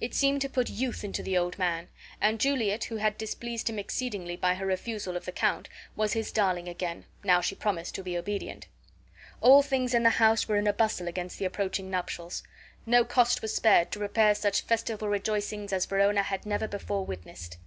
It seemed to put youth into the old man; and Juliet, who had displeased him exceedingly by her refusal of the count, was his darling again, now she promised to be obedient. All things in the house were in a bustle against the approaching nuptials. No cost was spared to prepare such festival rejoicings as Verona had never before witnessed.